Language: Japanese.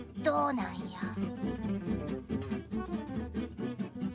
どうなんや。